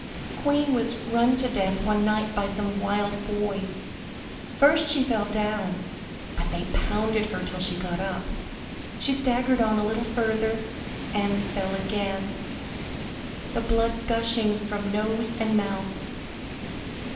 "Queen was run to death one night by some wild boys. First she fell down, but they pounded her till she got up; she staggered on a little further and fell again, the blood gushing from nose and mouth.